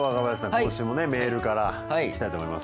今週もねメールからいきたいと思います。